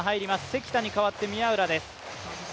関田に代わって宮浦です。